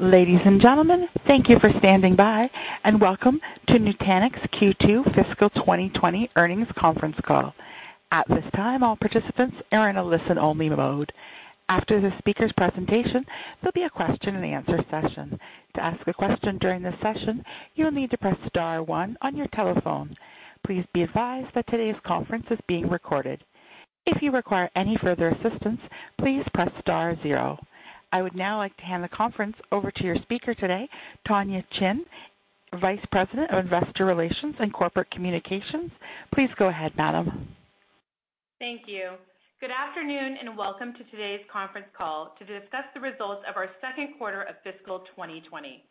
Ladies and gentlemen, thank you for standing by, and welcome to Nutanix Q2 Fiscal 2020 Earnings Conference Call. At this time, all participants are in a listen-only mode. After the speaker's presentation, there'll be a question and answer session. To ask a question during this session, you'll need to press star one on your telephone. Please be advised that today's conference is being recorded. If you require any further assistance, please press star zero. I would now like to hand the conference over to your speaker today, Tonya Chin, Vice President of Investor Relations and Corporate Communications. Please go ahead, madam. Thank you. Good afternoon. Welcome to today's conference call to discuss the results of our second quarter of fiscal 2020.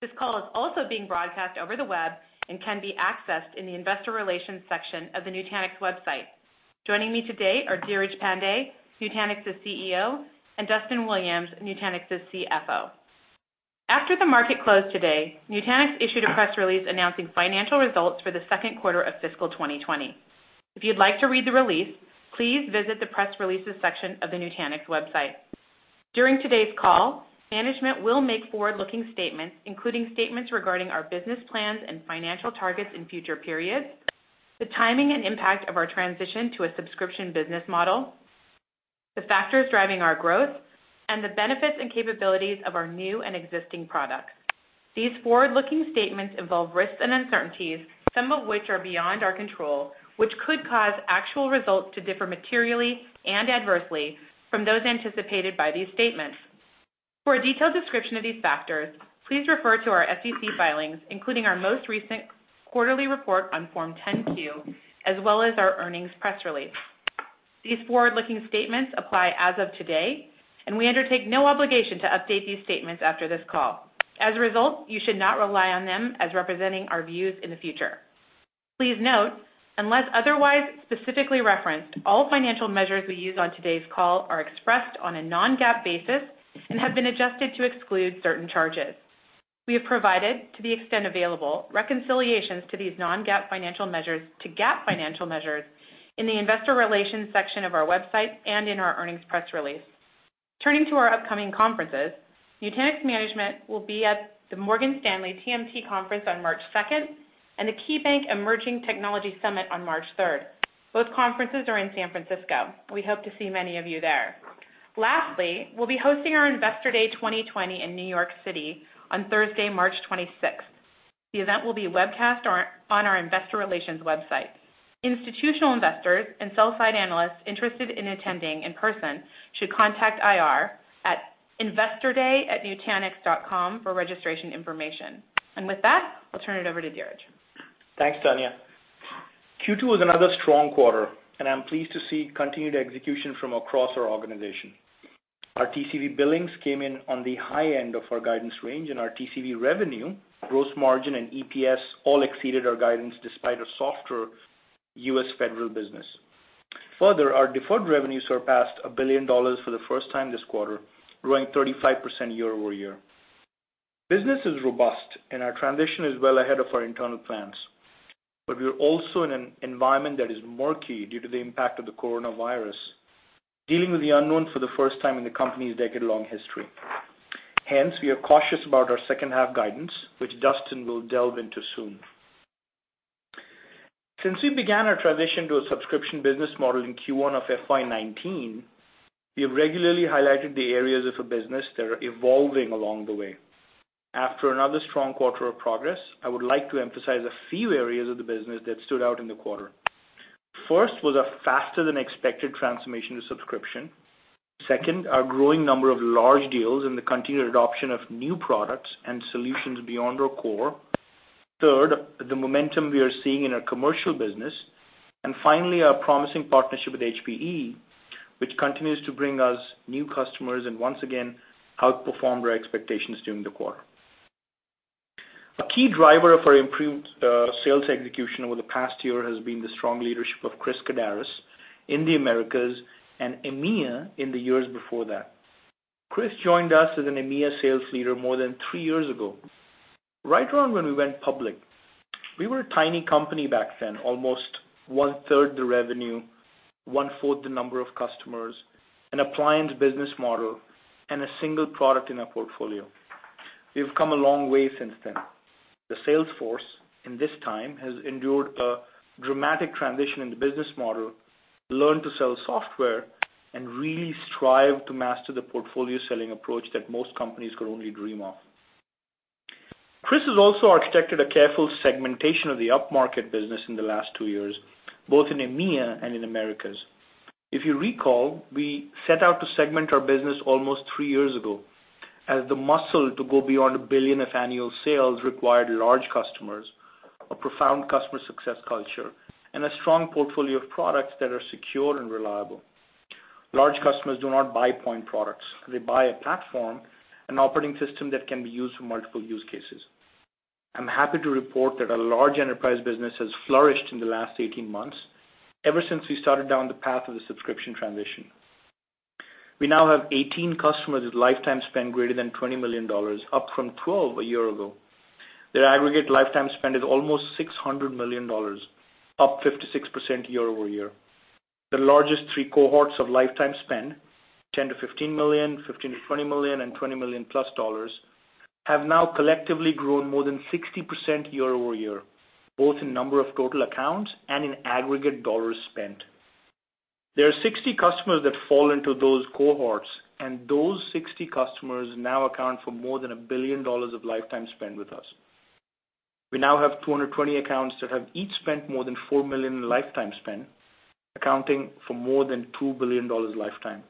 This call is also being broadcast over the web and can be accessed in the investor relations section of the Nutanix website. Joining me today are Dheeraj Pandey, Nutanix's CEO, and Duston Williams, Nutanix's CFO. After the market closed today, Nutanix issued a press release announcing financial results for the second quarter of fiscal 2020. If you'd like to read the release, please visit the press releases section of the Nutanix website. During today's call, management will make forward-looking statements, including statements regarding our business plans and financial targets in future periods, the timing and impact of our transition to a subscription business model, the factors driving our growth, and the benefits and capabilities of our new and existing products. These forward-looking statements involve risks and uncertainties, some of which are beyond our control, which could cause actual results to differ materially and adversely from those anticipated by these statements. For a detailed description of these factors, please refer to our SEC filings, including our most recent quarterly report on Form 10-Q, as well as our earnings press release. These forward-looking statements apply as of today, and we undertake no obligation to update these statements after this call. As a result, you should not rely on them as representing our views in the future. Please note, unless otherwise specifically referenced, all financial measures we use on today's call are expressed on a non-GAAP basis and have been adjusted to exclude certain charges. We have provided, to the extent available, reconciliations to these non-GAAP financial measures to GAAP financial measures in the investor relations section of our website and in our earnings press release. Turning to our upcoming conferences, Nutanix management will be at the Morgan Stanley TMT Conference on March 2nd and the KeyBanc Emerging Technology Summit on March 3rd. Both conferences are in San Francisco. We hope to see many of you there. Lastly, we'll be hosting our Investor Day 2020 in New York City on Thursday, March 26th. The event will be webcast on our investor relations website. Institutional investors and sell-side analysts interested in attending in person should contact IR at investorday@nutanix.com for registration information. With that, I'll turn it over to Dheeraj. Thanks, Tonya. Q2 was another strong quarter, and I'm pleased to see continued execution from across our organization. Our TCV billings came in on the high end of our guidance range, and our TCV revenue, gross margin, and EPS all exceeded our guidance despite a softer U.S. federal business. Further, our deferred revenue surpassed $1 billion for the first time this quarter, growing 35% year-over-year. Business is robust, and our transition is well ahead of our internal plans. We're also in an environment that is murky due to the impact of the coronavirus, dealing with the unknown for the first time in the company's decade-long history. Hence, we are cautious about our second-half guidance, which Duston will delve into soon. Since we began our transition to a subscription business model in Q1 of FY 2019, we have regularly highlighted the areas of the business that are evolving along the way. After another strong quarter of progress, I would like to emphasize a few areas of the business that stood out in the quarter. First was a faster-than-expected transformation to subscription. Second, our growing number of large deals and the continued adoption of new products and solutions beyond our core. Third, the momentum we are seeing in our commercial business. Finally, our promising partnership with HPE, which continues to bring us new customers and once again, outperformed our expectations during the quarter. A key driver of our improved sales execution over the past year has been the strong leadership of Chris Kaddaras in the Americas, and EMEA in the years before that. Chris joined us as an EMEA sales leader more than three years ago, right around when we went public. We were a tiny company back then, almost 1/3 the revenue, 1/4 the number of customers, an appliance business model, and a single product in our portfolio. We've come a long way since then. The sales force in this time has endured a dramatic transition in the business model, learned to sell software, and really strived to master the portfolio selling approach that most companies could only dream of. Chris has also architected a careful segmentation of the upmarket business in the last two years, both in EMEA and in Americas. If you recall, we set out to segment our business almost three years ago as the muscle to go beyond $1 billion of annual sales required large customers, a profound customer success culture, and a strong portfolio of products that are secure and reliable. Large customers do not buy point products. They buy a platform, an operating system that can be used for multiple use cases. I'm happy to report that our large enterprise business has flourished in the last 18 months, ever since we started down the path of the subscription transition. We now have 18 customers with lifetime spend greater than $20 million, up from 12 a year ago. Their aggregate lifetime spend is almost $600 million, up 56% year-over-year. The largest three cohorts of lifetime spend, $10 million-$15 million, $15 million-$20 million, and $20 million+, have now collectively grown more than 60% year-over-year, both in number of total accounts and in aggregate dollars spent. There are 60 customers that fall into those cohorts, and those 60 customers now account for more than $1 billion of lifetime spend with us. We now have 220 accounts that have each spent more than $4 million in lifetime spend, accounting for more than $2 billion lifetime,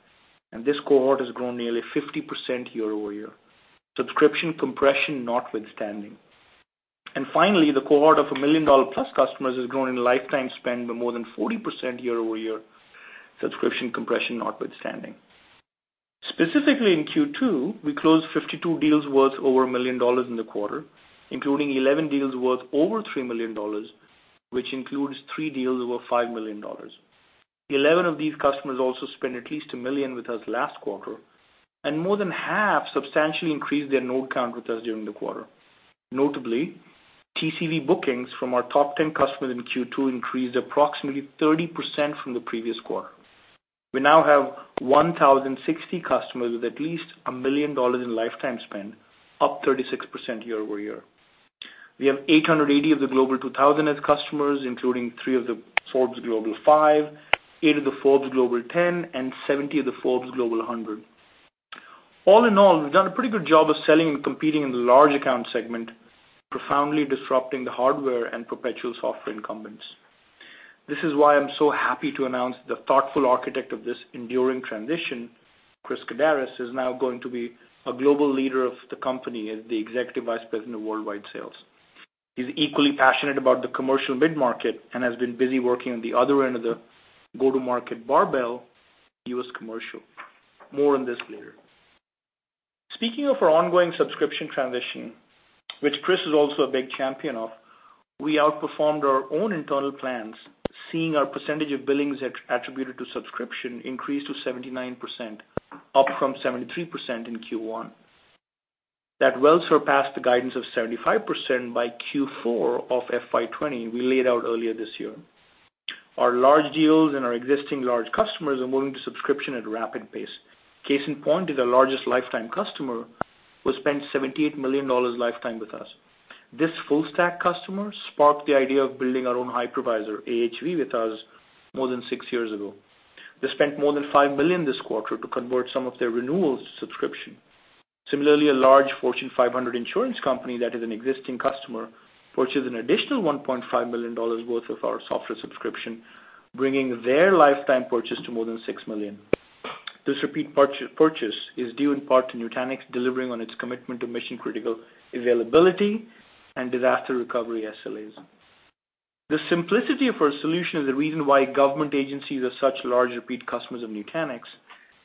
and this cohort has grown nearly 50% year-over-year, subscription compression notwithstanding. Finally, the cohort of $1 million+ customers has grown in lifetime spend by more than 40% year-over-year, subscription compression notwithstanding. Specifically in Q2, we closed 52 deals worth over $1 million in the quarter, including 11 deals worth over $3 million, which includes three deals over $5 million. 11 of these customers also spent at least $1 million with us last quarter, and more than half substantially increased their node count with us during the quarter. Notably, TCV bookings from our top 10 customers in Q2 increased approximately 30% from the previous quarter. We now have 1,060 customers with at least $1 million in lifetime spend, up 36% year-over-year. We have 880 of the Global 2000 as customers, including three of the Forbes Global 5,000, eight of the Forbes Global 10,000, and 70 of the Forbes Global 100. All in all, we've done a pretty good job of selling and competing in the large account segment, profoundly disrupting the hardware and perpetual software incumbents. This is why I'm so happy to announce the thoughtful architect of this enduring transition, Chris Kaddaras, is now going to be a global leader of the company as the Executive Vice President of Worldwide Sales. He's equally passionate about the commercial mid-market and has been busy working on the other end of the go-to-market barbell, U.S. commercial. More on this later. Speaking of our ongoing subscription transition, which Chris is also a big champion of, we outperformed our own internal plans, seeing our percentage of billings attributed to subscription increase to 79%, up from 73% in Q1. That well surpassed the guidance of 75% by Q4 of FY 2020 we laid out earlier this year. Our large deals and our existing large customers are moving to subscription at a rapid pace. Case in point is our largest lifetime customer, who has spent $78 million lifetime with us. This full stack customer sparked the idea of building our own hypervisor, AHV, with us more than six years ago. They spent more than $5 million this quarter to convert some of their renewals to subscription. Similarly, a large Fortune 500 insurance company that is an existing customer purchased an additional $1.5 million worth of our software subscription, bringing their lifetime purchase to more than $6 million. This repeat purchase is due in part to Nutanix delivering on its commitment to mission-critical availability and disaster recovery SLAs. The simplicity of our solution is the reason why government agencies are such large repeat customers of Nutanix,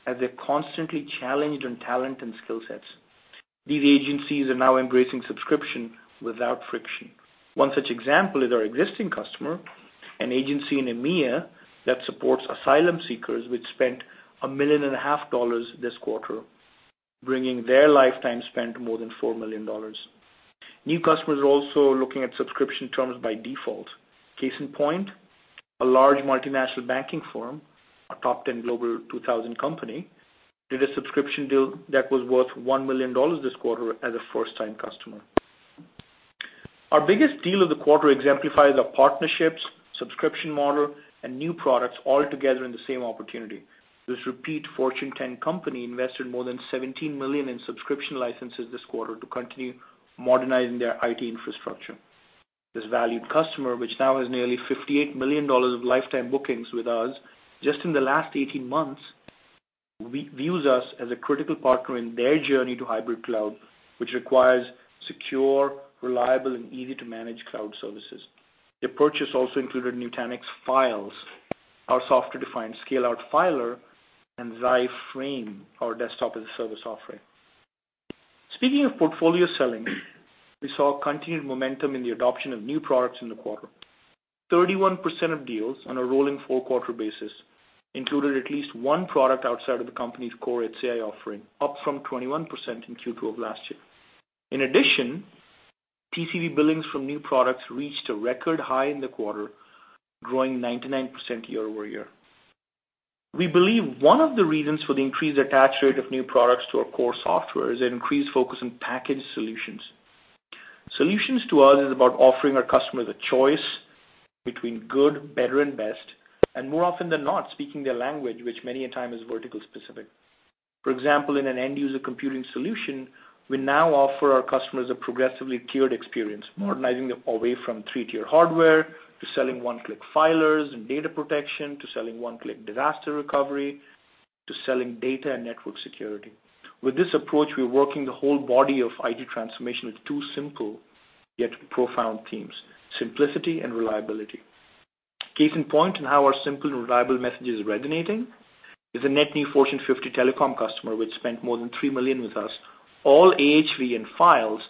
as they're constantly challenged on talent and skill sets. These agencies are now embracing subscription without friction. One such example is our existing customer, an agency in EMEA that supports asylum seekers, which spent a $1.5 million This quarter, bringing their lifetime spend to more than $4 million. New customers are also looking at subscription terms by default. Case in point, a large multinational banking firm, a top 10 Global 2000 company, did a subscription deal that was worth $1 million this quarter as a first-time customer. Our biggest deal of the quarter exemplifies our partnerships, subscription model, and new products all together in the same opportunity. This repeat Fortune 10 company invested more than $17 million in subscription licenses this quarter to continue modernizing their IT infrastructure. This valued customer, which now has nearly $58 million of lifetime bookings with us, just in the last 18 months, views us as a critical partner in their journey to hybrid cloud, which requires secure, reliable, and easy-to-manage cloud services. The purchase also included Nutanix Files, our software-defined scale-out filer, and Xi Frame, our Desktop-as-a-Service offering. Speaking of portfolio selling, we saw continued momentum in the adoption of new products in the quarter. 31% of deals on a rolling four-quarter basis included at least one product outside of the company's core HCI offering, up from 21% in Q2 of last year. In addition, TCV billings from new products reached a record high in the quarter, growing 99% year-over-year. We believe one of the reasons for the increased attach rate of new products to our core software is an increased focus on packaged solutions. Solutions to us is about offering our customers a choice between good, better, and best, more often than not, speaking their language, which many a time is vertical specific. For example, in an end user computing solution, we now offer our customers a progressively tiered experience, modernizing away from three-tier hardware, to selling one-click filers and data protection, to selling one-click disaster recovery, to selling data and network security. With this approach, we are working the whole body of IT transformation with two simple, yet profound themes, simplicity and reliability. Case in point in how our simple and reliable message is resonating is a net new Fortune 50 telecom customer which spent more than $3 million with us, all AHV and Files,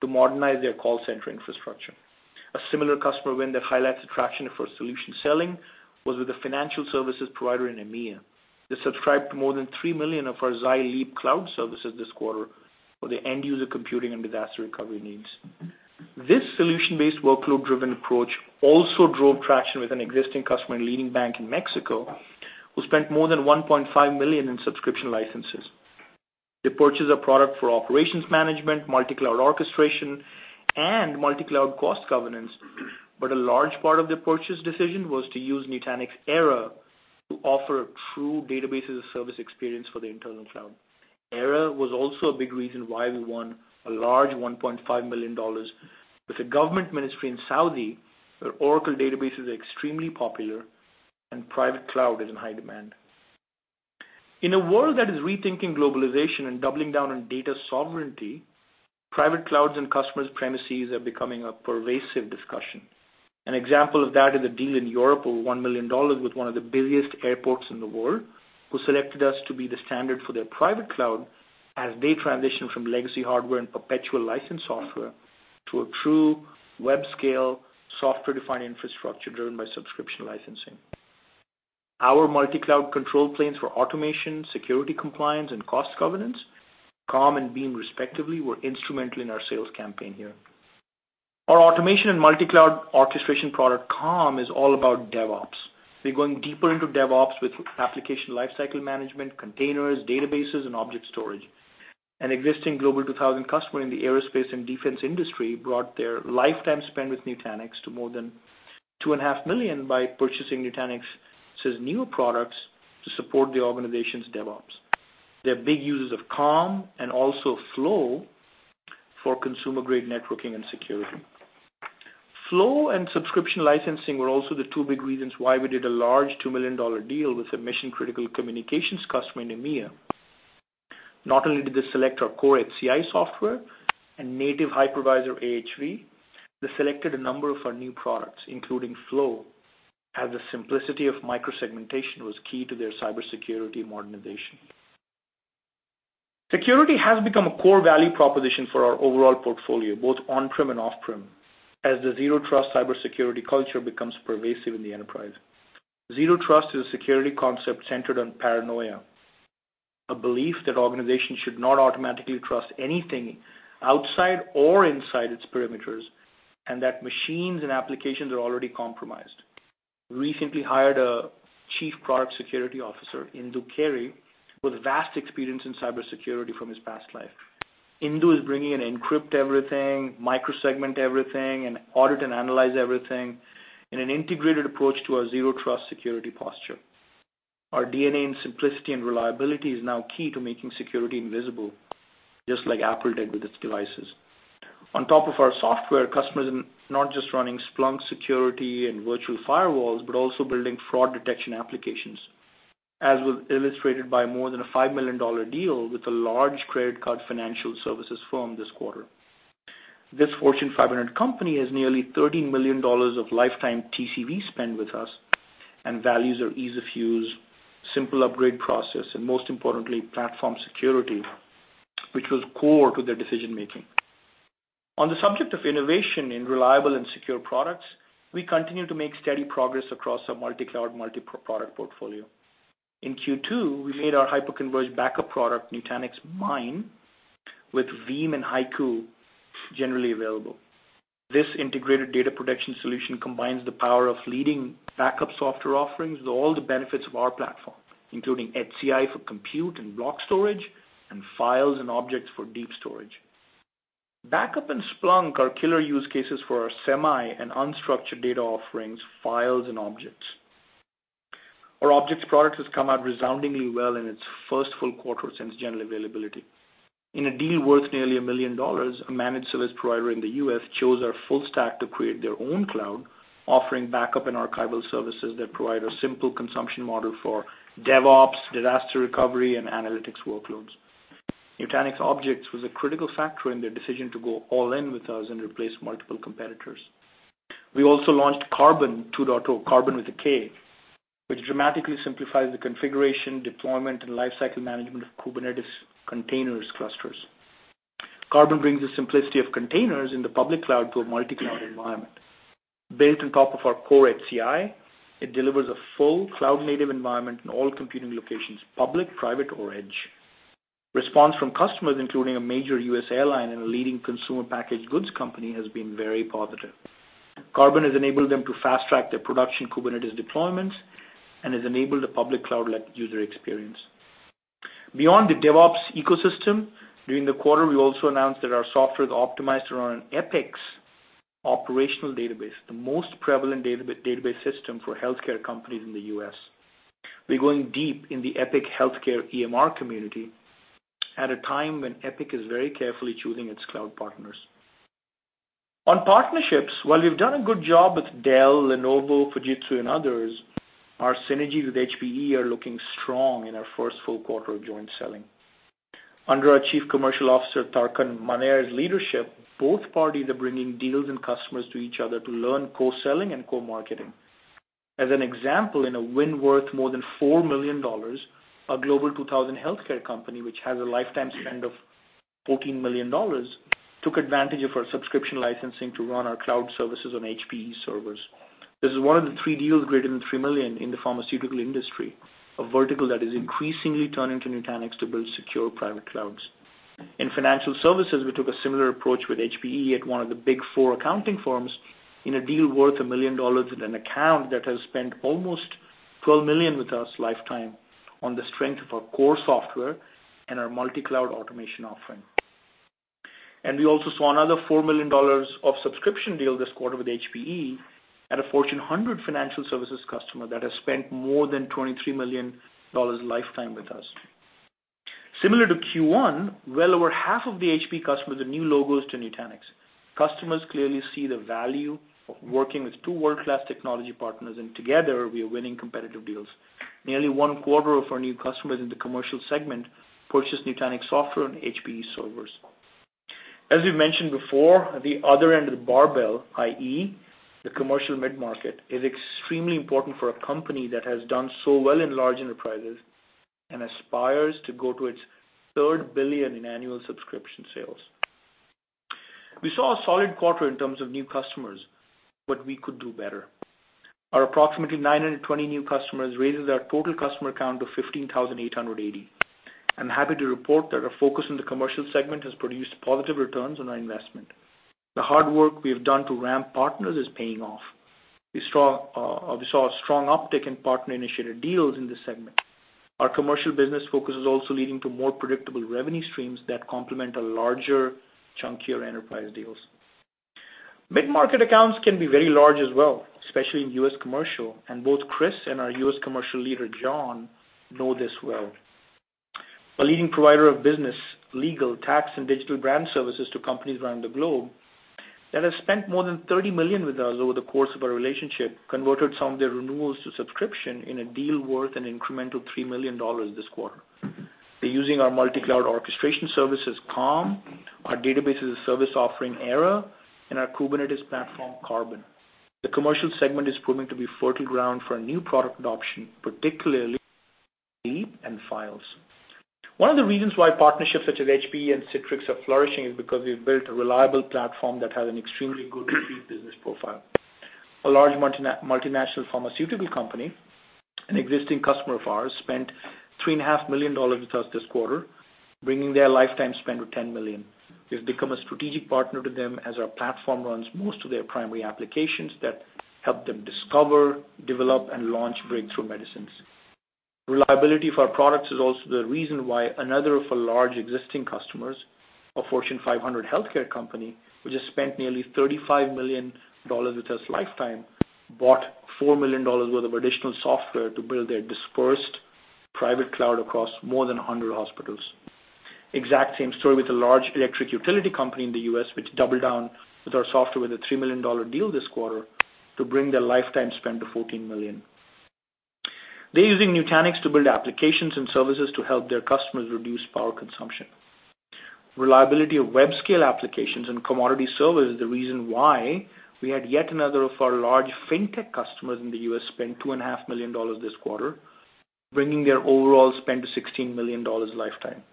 to modernize their call center infrastructure. A similar customer win that highlights attraction for solution selling was with a financial services provider in EMEA. They subscribed to more than three million of our Xi Leap cloud services this quarter for their end-user computing and disaster recovery needs. This solution-based workload-driven approach also drove traction with an existing customer, a leading bank in Mexico, who spent more than $1.5 million in subscription licenses. They purchased a product for operations management, multi-cloud orchestration, and multi-cloud cost governance, but a large part of the purchase decision was to use Nutanix Era to offer a true database as a service experience for the internal cloud. Era was also a big reason why we won a large $1.5 million with the government ministry in Saudi, where Oracle databases are extremely popular and private cloud is in high demand. In a world that is rethinking globalization and doubling down on data sovereignty, private clouds and customers' premises are becoming a pervasive discussion. An example of that is a deal in Europe, over $1 million, with one of the busiest airports in the world, who selected us to be the standard for their private cloud as they transition from legacy hardware and perpetual license software to a true web-scale software-defined infrastructure driven by subscription licensing. Our multi-cloud control planes for automation, security compliance, and cost governance, Calm and Beam respectively, were instrumental in our sales campaign here. Our automation and multi-cloud orchestration product, Calm, is all about DevOps. We're going deeper into DevOps with application lifecycle management, containers, databases, and object storage. An existing Global 2000 customer in the aerospace and defense industry brought their lifetime spend with Nutanix to more than $2,500,000 by purchasing Nutanix's new products to support the organization's DevOps. They're big users of Calm and also Flow for consumer-grade networking and security. Flow and subscription licensing were also the two big reasons why we did a large $2 million deal with a mission-critical communications customer in EMEA. Not only did they select our core HCI software and native hypervisor AHV, they selected a number of our new products, including Flow, as the simplicity of micro-segmentation was key to their cybersecurity modernization. Security has become a core value proposition for our overall portfolio, both on-prem and off-prem, as the zero trust cybersecurity culture becomes pervasive in the enterprise. Zero Trust is a security concept centered on paranoia, a belief that organizations should not automatically trust anything outside or inside its perimeters, and that machines and applications are already compromised. We recently hired a Chief Product Security Officer, Indu Keri, with vast experience in cybersecurity from his past life. Indu is bringing an encrypt everything, micro-segment everything, and audit and analyze everything in an integrated approach to our Zero Trust security posture. Our DNA in simplicity and reliability is now key to making security invisible, just like Apple did with its devices. On top of our software, customers are not just running Splunk security and virtual firewalls, but also building fraud detection applications, as was illustrated by more than a $5 million deal with a large credit card financial services firm this quarter. This Fortune 500 company has nearly $30 million of lifetime TCV spend with us and values our ease of use, simple upgrade process, and most importantly, platform security, which was core to their decision-making. On the subject of innovation in reliable and secure products, we continue to make steady progress across our multi-cloud, multi-product portfolio. In Q2, we made our hyper-converged backup product, Nutanix Mine, with Veeam and HYCU generally available. This integrated data protection solution combines the power of leading backup software offerings with all the benefits of our platform, including HCI for compute and block storage, and files and objects for deep storage. Backup and Splunk are killer use cases for our semi- and unstructured data offerings, files and objects. Our objects product has come out resoundingly well in its first full quarter since general availability. In a deal worth nearly $1 million, a managed service provider in the U.S. chose our full stack to create their own cloud, offering backup and archival services that provide a simple consumption model for DevOps, disaster recovery, and analytics workloads. Nutanix Objects was a critical factor in their decision to go all in with us and replace multiple competitors. We also launched Karbon 2.0, Karbon with a K, which dramatically simplifies the configuration, deployment, and lifecycle management of Kubernetes containers clusters. Karbon brings the simplicity of containers in the public cloud to a multi-cloud environment. Built on top of our core HCI, it delivers a full cloud-native environment in all computing locations, public, private, or edge. Response from customers, including a major U.S. airline and a leading consumer packaged goods company, has been very positive. Karbon has enabled them to fast-track their production Kubernetes deployments and has enabled a public cloud-like user experience. Beyond the DevOps ecosystem, during the quarter, we also announced that our software is optimized to run Epic's operational database, the most prevalent database system for healthcare companies in the U.S. We're going deep in the Epic Healthcare EMR community at a time when Epic is very carefully choosing its cloud partners. On partnerships, while we've done a good job with Dell, Lenovo, Fujitsu, and others, our synergies with HPE are looking strong in our first full quarter of joint selling. Under our Chief Commercial Officer, Tarkan Maner's leadership, both parties are bringing deals and customers to each other to learn co-selling and co-marketing. As an example, in a win worth more than $4 million, a Global 2000 healthcare company, which has a lifetime spend of $14 million took advantage of our subscription licensing to run our cloud services on HPE servers. This is one of the three deals greater than $3 million in the pharmaceutical industry, a vertical that is increasingly turning to Nutanix to build secure private clouds. In financial services, we took a similar approach with HPE at one of the big four accounting firms in a deal worth $1 million with an account that has spent almost $12 million with us lifetime on the strength of our core software and our multi-cloud automation offering. We also saw another $4 million of subscription deal this quarter with HPE at a Fortune 100 financial services customer that has spent more than $23 million lifetime with us. Similar to Q1, well over half of the HPE customers are new logos to Nutanix. Customers clearly see the value of working with two world-class technology partners, and together we are winning competitive deals. Nearly one-quarter of our new customers in the commercial segment purchased Nutanix software on HPE servers. As we mentioned before, the other end of the barbell, i.e., the commercial mid-market, is extremely important for a company that has done so well in large enterprises and aspires to go to its third billion in annual subscription sales. We saw a solid quarter in terms of new customers, but we could do better. Our approximately 920 new customers raises our total customer count to 15,880. I'm happy to report that our focus in the commercial segment has produced positive returns on our investment. The hard work we have done to ramp partners is paying off. We saw a strong uptick in partner-initiated deals in this segment. Our commercial business focus is also leading to more predictable revenue streams that complement our larger, chunkier enterprise deals. Mid-market accounts can be very large as well, especially in U.S. commercial, and both Chris and our U.S. commercial leader, John, know this well. A leading provider of business, legal, tax, and digital brand services to companies around the globe that have spent more than $30 million with us over the course of our relationship converted some of their renewals to subscription in a deal worth an incremental $3 million this quarter. They're using our multi-cloud orchestration service as Calm, our database as a service offering, Era, and our Kubernetes platform, Karbon. The commercial segment is proving to be fertile ground for our new product adoption, particularly Leap and Files. One of the reasons why partnerships such as HPE and Citrix are flourishing is because we've built a reliable platform that has an extremely good repeat business profile. A large multinational pharmaceutical company, an existing customer of ours, spent $3.5 million with us this quarter, bringing their lifetime spend to $10 million. We've become a strategic partner to them as our platform runs most of their primary applications that help them discover, develop, and launch breakthrough medicines. Reliability of our products is also the reason why another of our large existing customers, a Fortune 500 healthcare company, which has spent nearly $35 million with us lifetime, bought $4 million worth of additional software to build their dispersed private cloud across more than 100 hospitals. Exact same story with a large electric utility company in the U.S., which doubled down with our software with a $3 million deal this quarter to bring their lifetime spend to $14 million. They're using Nutanix to build applications and services to help their customers reduce power consumption. Reliability of web-scale applications and commodity servers is the reason why we had yet another of our large fintech customers in the U.S. spend $2.5 million this quarter, bringing their overall spend to $16 million lifetime.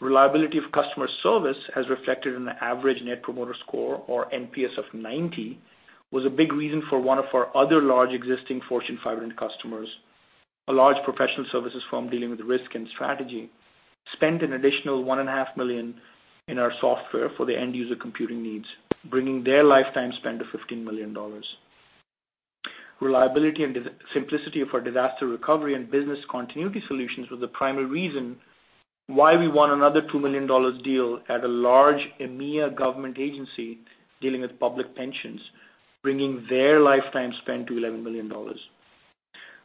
Reliability of customer service, as reflected in the average net promoter score or NPS of 90, was a big reason for one of our other large existing Fortune 500 customers. A large professional services firm dealing with risk and strategy spent an additional $1.5 million in our software for their end-user computing needs, bringing their lifetime spend to $15 million. Reliability and simplicity of our disaster recovery and business continuity solutions was the primary reason why we won another $2 million deal at a large EMEA government agency dealing with public pensions, bringing their lifetime spend to $11 million.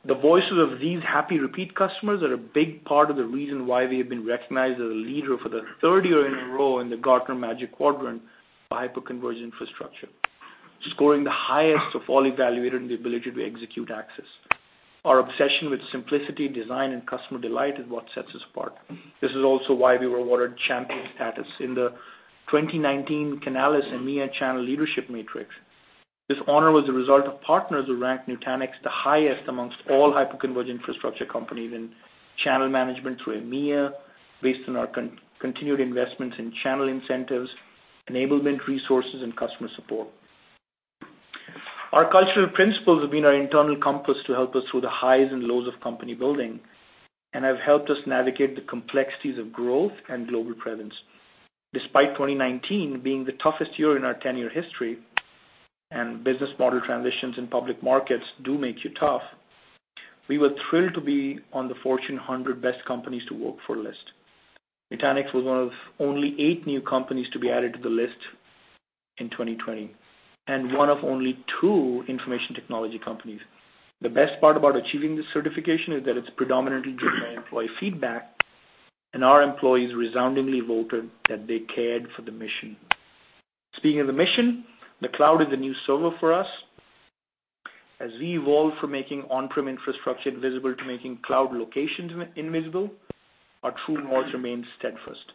The voices of these happy repeat customers are a big part of the reason why we have been recognized as a leader for the third year in a row in the Gartner Magic Quadrant for Hyperconverged Infrastructure, scoring the highest of all evaluated in the Ability to Execute axis. Our obsession with simplicity, design, and customer delight is what sets us apart. This is also why we were awarded champion status in the 2019 Canalys EMEA Channel Leadership Matrix. This honor was a result of partners who ranked Nutanix the highest amongst all hyperconverged infrastructure companies in channel management through EMEA based on our continued investments in channel incentives, enablement resources, and customer support. Our cultural principles have been our internal compass to help us through the highs and lows of company building and have helped us navigate the complexities of growth and global presence. Despite 2019 being the toughest year in our 10-year history, and business model transitions in public markets do make you tough, we were thrilled to be on the Fortune 100 Best Companies to Work For list. Nutanix was one of only eight new companies to be added to the list in 2020, and one of only two information technology companies. The best part about achieving this certification is that it's predominantly driven by employee feedback, and our employees resoundingly voted that they cared for the mission. Speaking of the mission, the cloud is a new server for us. As we evolve from making on-prem infrastructure invisible to making cloud locations invisible, our true north remains steadfast.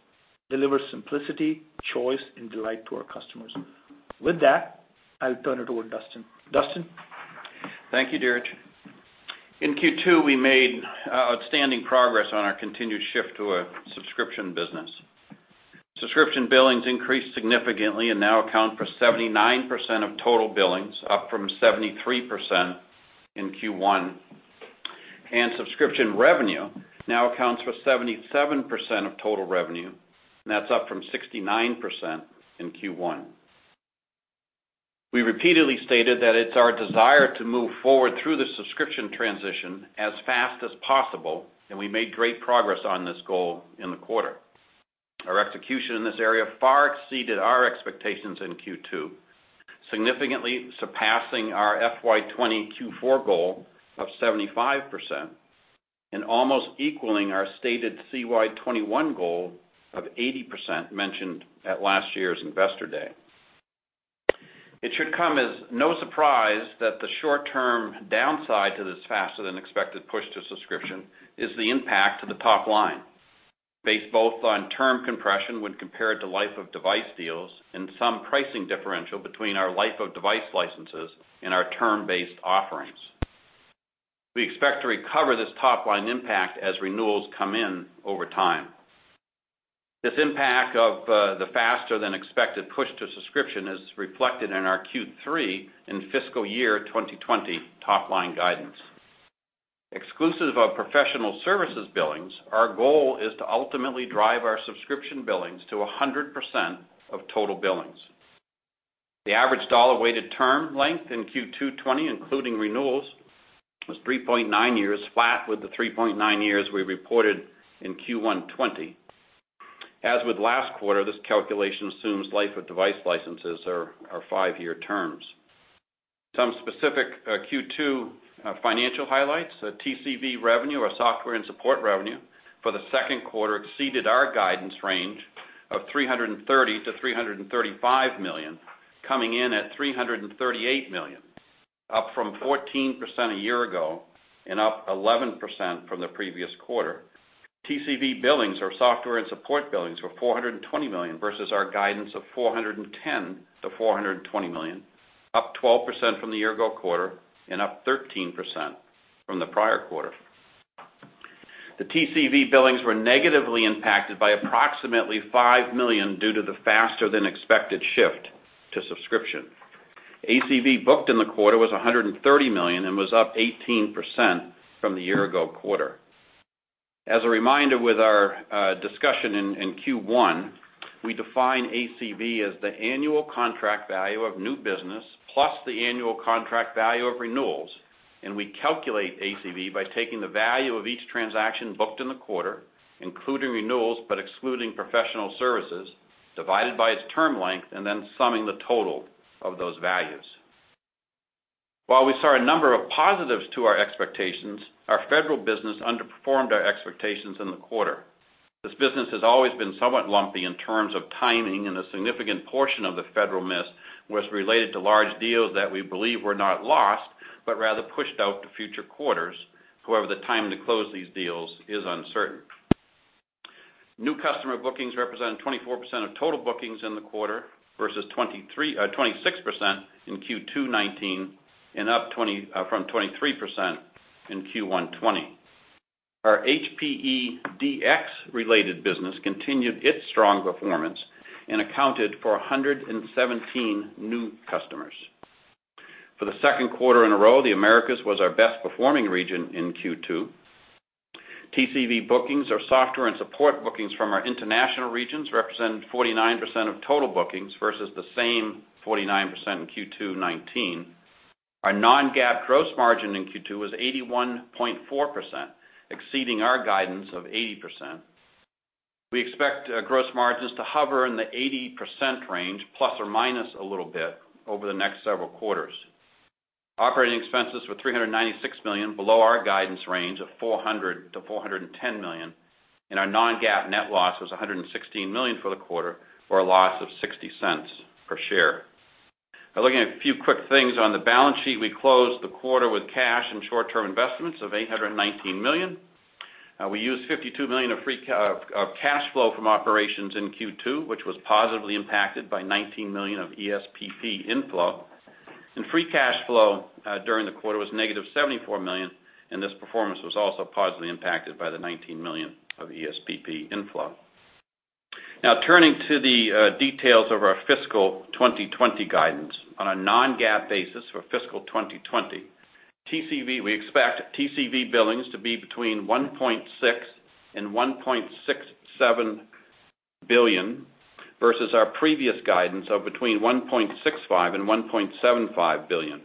Deliver simplicity, choice, and delight to our customers. With that, I'll turn it over Duston. Duston? Thank you, Dheeraj. In Q2, we made outstanding progress on our continued shift to a subscription business. Subscription billings increased significantly and now account for 79% of total billings, up from 73% in Q1. Subscription revenue now accounts for 77% of total revenue, and that's up from 69% in Q1. We repeatedly stated that it's our desire to move forward through the subscription transition as fast as possible, and we made great progress on this goal in the quarter. Our execution in this area far exceeded our expectations in Q2, significantly surpassing our FY 2020 Q4 goal of 75%, and almost equaling our stated CY 2021 goal of 80% mentioned at last year's Investor Day. It should come as no surprise that the short-term downside to this faster than expected push to subscription is the impact to the top line, based both on term compression when compared to life-of-device deals, and some pricing differential between our life-of-device licenses and our term-based offerings. We expect to recover this top-line impact as renewals come in over time. This impact of the faster than expected push to subscription is reflected in our Q3 and fiscal year 2020 top-line guidance. Exclusive of professional services billings, our goal is to ultimately drive our subscription billings to 100% of total billings. The average dollar-weighted term length in Q2 2020, including renewals, was 3.9 years, flat with the 3.9 years we reported in Q1 2020. As with last quarter, this calculation assumes life-of-device licenses are five-year terms. Some specific Q2 financial highlights, TCV revenue, our software and support revenue for the second quarter exceeded our guidance range of $330 million-$335 million, coming in at $338 million, up from 14% a year-ago and up 11% from the previous quarter. TCV billings or software and support billings were $420 million versus our guidance of $410 million-$420 million, up 12% from the year-ago quarter and up 13% from the prior quarter. The TCV billings were negatively impacted by approximately $5 million due to the faster than expected shift to subscription. ACV booked in the quarter was $130 million and was up 18% from the year-ago quarter. As a reminder, with our discussion in Q1, we define ACV as the annual contract value of new business plus the annual contract value of renewals, and we calculate ACV by taking the value of each transaction booked in the quarter, including renewals but excluding professional services, divided by its term length, and then summing the total of those values. While we saw a number of positives to our expectations, our federal business underperformed our expectations in the quarter. This business has always been somewhat lumpy in terms of timing, and a significant portion of the federal miss was related to large deals that we believe were not lost but rather pushed out to future quarters. However, the time to close these deals is uncertain. New customer bookings represented 24% of total bookings in the quarter versus 26% in Q2 2019 and up from 23% in Q1 2020. Our HPE DX-related business continued its strong performance and accounted for 117 new customers. For the second quarter in a row, the Americas was our best-performing region in Q2. TCV bookings, our software and support bookings from our international regions represented 49% of total bookings versus the same 49% in Q2 2019. Our non-GAAP gross margin in Q2 was 81.4%, exceeding our guidance of 80%. We expect gross margins to hover in the 80% range, plus or minus a little bit, over the next several quarters. Operating expenses were $396 million, below our guidance range of $400 million-$410 million, and our non-GAAP net loss was $116 million for the quarter, or a loss of $0.60 per share. Now looking at a few quick things on the balance sheet. We closed the quarter with cash and short-term investments of $819 million. We used $52 million of cash flow from operations in Q2, which was positively impacted by $19 million of ESPP inflow. Free cash flow during the quarter was negative $74 million, and this performance was also positively impacted by the $19 million of ESPP inflow. Turning to the details of our fiscal 2020 guidance. On a non-GAAP basis for fiscal 2020, we expect TCV billings to be between $1.6 billion and $1.67 billion versus our previous guidance of between $1.65 billion and $1.75 billion.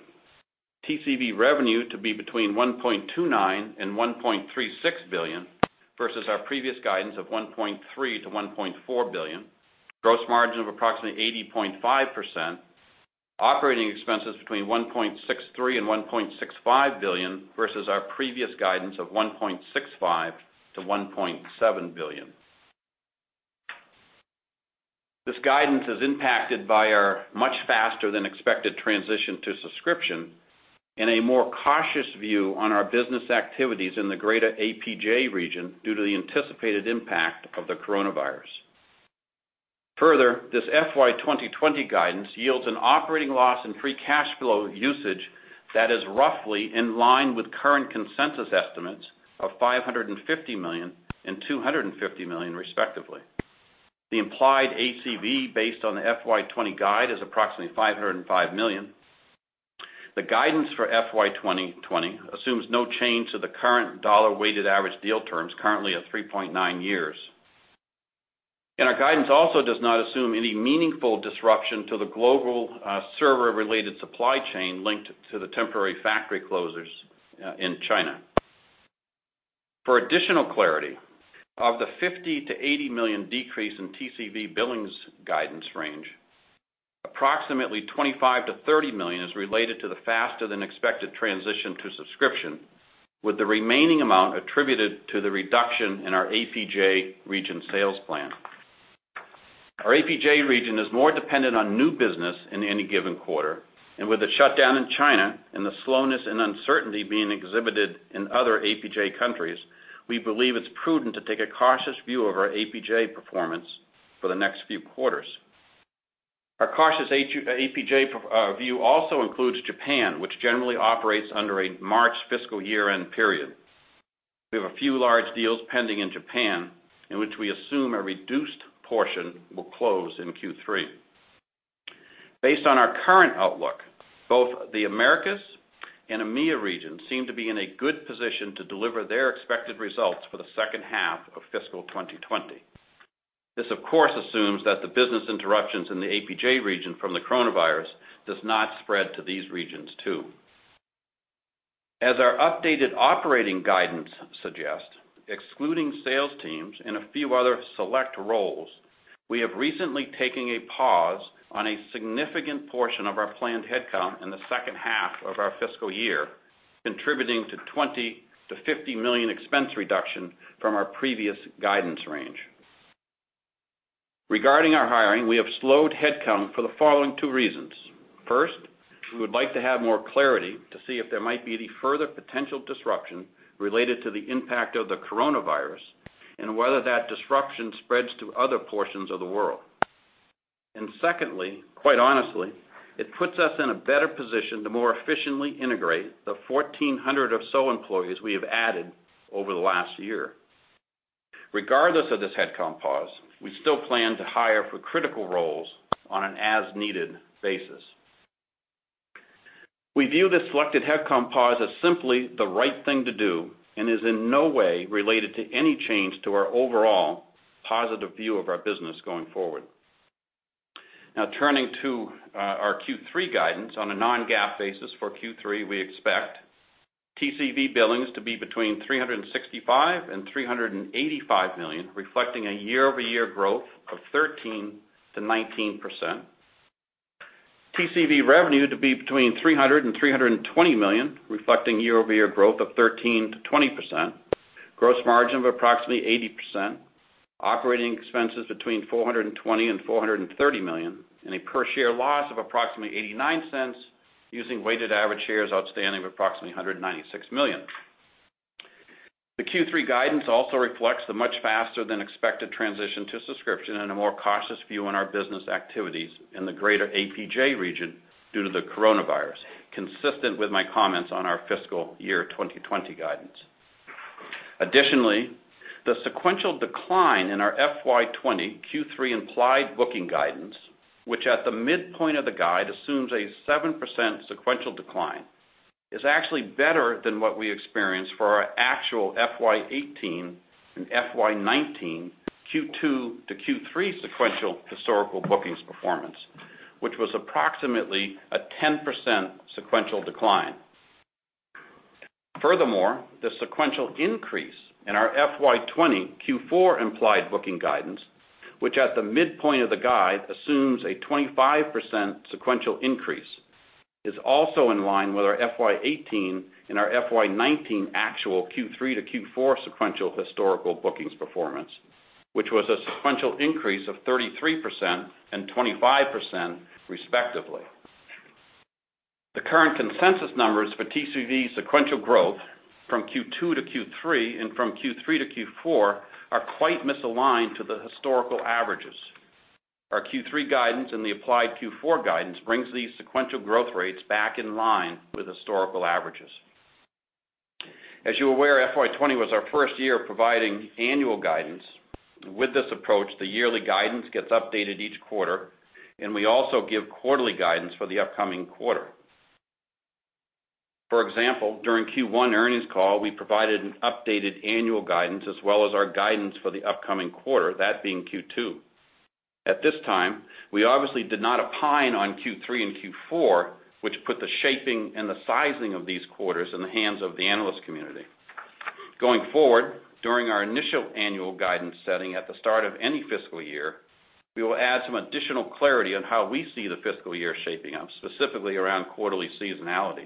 TCV revenue to be between $1.29 billion and $1.36 billion versus our previous guidance of $1.3 billion-$1.4 billion. Gross margin of approximately 80.5%. Operating expenses between $1.63 billion and $1.65 billion versus our previous guidance of $1.65 billion-$1.7 billion. This guidance is impacted by our much faster than expected transition to subscription and a more cautious view on our business activities in the greater APJ region due to the anticipated impact of the coronavirus. Further, this FY 2020 guidance yields an operating loss and free cash flow usage that is roughly in line with current consensus estimates of $550 million and $250 million respectively. The implied ACV based on the FY 2020 guide is approximately $505 million. The guidance for FY 2020 assumes no change to the current dollar weighted average deal terms, currently at 3.9 years. Our guidance also does not assume any meaningful disruption to the global server related supply chain linked to the temporary factory closures in China. For additional clarity, of the $50 million-$80 million decrease in TCV billings guidance range, approximately $25 million-$30 million is related to the faster than expected transition to subscription, with the remaining amount attributed to the reduction in our APJ region sales plan. Our APJ region is more dependent on new business in any given quarter, and with the shutdown in China and the slowness and uncertainty being exhibited in other APJ countries, we believe it's prudent to take a cautious view of our APJ performance for the next few quarters. Our cautious APJ view also includes Japan, which generally operates under a March fiscal year-end period. We have a few large deals pending in Japan, in which we assume a reduced portion will close in Q3. Based on our current outlook, both the Americas and EMEA region seem to be in a good position to deliver their expected results for the second half of fiscal 2020. This, of course, assumes that the business interruptions in the APJ region from the coronavirus does not spread to these regions too. As our updated operating guidance suggests, excluding sales teams and a few other select roles, we have recently taken a pause on a significant portion of our planned head count in the second half of our fiscal year, contributing to a $20 million-$50 million expense reduction from our previous guidance range. Regarding our hiring, we have slowed head count for the following two reasons. First, we would like to have more clarity to see if there might be any further potential disruption related to the impact of the coronavirus, whether that disruption spreads to other portions of the world. Secondly, quite honestly, it puts us in a better position to more efficiently integrate the 1,400 or so employees we have added over the last year. Regardless of this head count pause, we still plan to hire for critical roles on an as-needed basis. We view this selected head count pause as simply the right thing to do, is in no way related to any change to our overall positive view of our business going forward. Now, turning to our Q3 guidance. On a non-GAAP basis for Q3, we expect TCV billings to be between $365 million-$385 million, reflecting a year-over-year growth of 13%-19%. TCV revenue to be between $300 million and $320 million, reflecting year-over-year growth of 13%-20%. Gross margin of approximately 80%. Operating expenses between $420 million and $430 million. A per share loss of approximately $0.89 using weighted average shares outstanding of approximately $196 million. The Q3 guidance also reflects the much faster than expected transition to subscription and a more cautious view on our business activities in the greater APJ region due to the coronavirus, consistent with my comments on our fiscal year 2020 guidance. Additionally, the sequential decline in our FY 2020 Q3 implied booking guidance, which at the midpoint of the guide assumes a 7% sequential decline, is actually better than what we experienced for our actual FY 2018 and FY 2019 Q2-Q3 sequential historical bookings performance, which was approximately a 10% sequential decline. Furthermore, the sequential increase in our FY 2020 Q4 implied booking guidance, which at the midpoint of the guide assumes a 25% sequential increase, is also in line with our FY 2018 and our FY 2019 actual Q3-Q4 sequential historical bookings performance, which was a sequential increase of 33% and 25% respectively. The current consensus numbers for TCV sequential growth from Q2-Q3 and from Q3-Q4 are quite misaligned to the historical averages. Our Q3 guidance and the applied Q4 guidance brings these sequential growth rates back in line with historical averages. As you're aware, FY 2020 was our first year providing annual guidance. With this approach, the yearly guidance gets updated each quarter, and we also give quarterly guidance for the upcoming quarter. For example, during Q1 earnings call, we provided an updated annual guidance as well as our guidance for the upcoming quarter, that being Q2. At this time, we obviously did not opine on Q3 and Q4, which put the shaping and the sizing of these quarters in the hands of the analyst community. Going forward, during our initial annual guidance setting at the start of any fiscal year, we will add some additional clarity on how we see the fiscal year shaping up, specifically around quarterly seasonality.